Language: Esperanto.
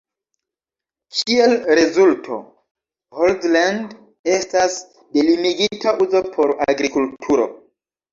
Kiel rezulto, Holzland estas de limigita uzo por agrikulturo.